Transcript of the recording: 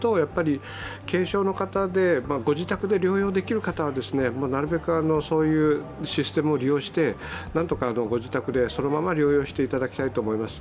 軽症の方で、ご自宅で療養できる方はなるべくそういうシステムを利用してなんとかご自宅でそのまま療養していただきたいと思います。